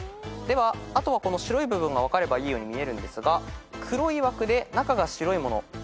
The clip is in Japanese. ではあとはこの白い部分が分かればいいように見えるんですが黒い枠で中が白いもの。